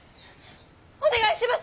お願いします！